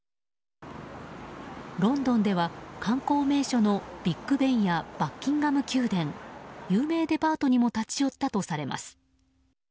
ロンドンでは観光名所のビッグベンやバッキンガム宮殿有名デパートにも立ち寄ったとされます。